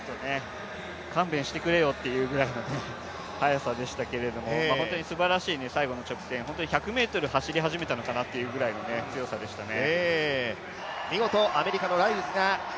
勘弁してくれよっていうぐらいの速さでしたけど、本当にすばらしい最後の直線１００ｍを走り始めたのかなっていうぐらいの強さでしたね。